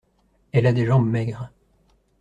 Elle a des jambes maigres.